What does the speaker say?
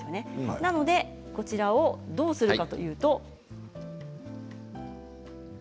なのでこちらをどうするかというと。